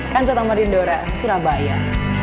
kan sota marindora surabaya